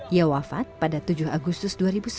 ia wafat pada tujuh agustus dua ribu sepuluh